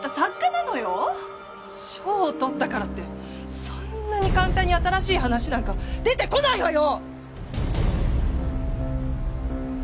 賞をとったからってそんなに簡単に新しい話なんか出てこないわよ！